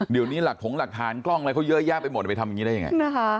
เดี๋ยวนี้หลังแผงลักษณ์กล้องละเธอยหญิงหยอดไปหมดไปทำอย่างนี้ได้อย่างไร